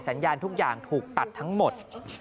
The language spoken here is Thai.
สัญญาณทุกอย่างถูกตัดทั้งหมด